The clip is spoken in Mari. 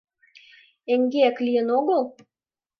Эҥгек лийын огыл?